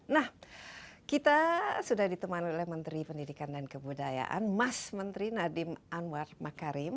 nah kita sudah ditemani oleh menteri pendidikan dan kebudayaan mas menteri nadiem anwar makarim